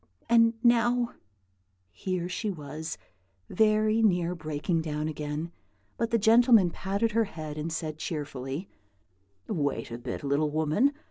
And now " Here she was very near breaking down again; but the gentleman patted her head and said, cheerfully, "Wait a bit, little woman!